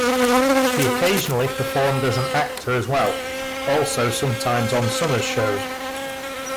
He occasionally performed as an actor as well, also sometimes on Somers' shows.